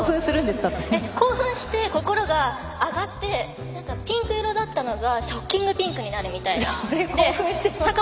興奮して心が上がってピンク色だったのがショッキングピンクになるというか。